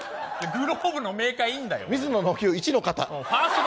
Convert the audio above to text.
グローブのメーカーいいんで。